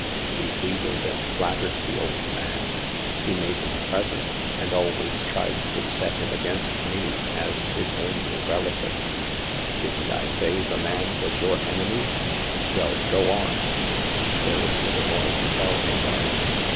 He wheedled and flat tered the old man ; he made him presents, and always tried to set him against me as his only relative." Didn't I say the man was your enemy ? Well, go on." "There is little more to tell, Hagar.